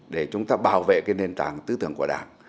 để chúng ta bảo vệ cái nền tảng tư tưởng của đảng